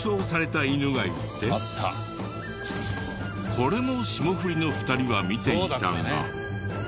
これも霜降りの２人は見ていたが。